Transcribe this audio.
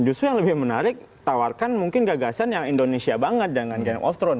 justru yang lebih menarik tawarkan mungkin gagasan yang indonesia banget dengan game of throne